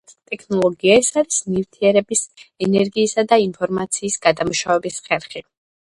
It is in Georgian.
სხვაგვარად, ტექნოლოგია ეს არის ნივთიერების, ენერგიის და ინფორმაციის გადამუშავების ხერხი.